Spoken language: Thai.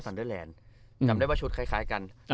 ซันเดอร์แลนด์อืมจำได้ว่าชุดคล้ายคล้ายกันอ่า